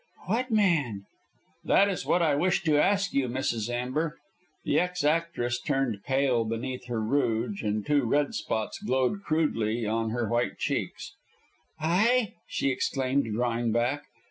"What man?" "That is what I wish to ask you, Mrs. Amber." The ex actress turned pale beneath her rouge, and two red spots glowed crudely on her white cheeks. "I!" she exclaimed, drawing back.